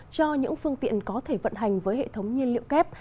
cho những phương tiện có thể vận hành với hệ thống nhiên liệu kép